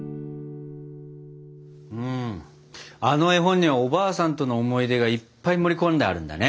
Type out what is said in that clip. うんあの絵本にはおばあさんとの思い出がいっぱい盛り込んであるんだね。